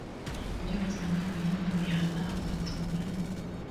ibyo basanga mu yindi mihana baturanye